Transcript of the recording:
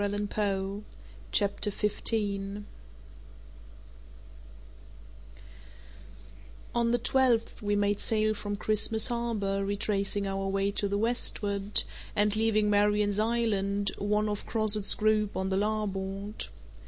CHAPTER 15 On the twelfth we made sail from Christmas Harbour retracing our way to the westward, and leaving Marion's Island, one of Crozet's group, on the larboard.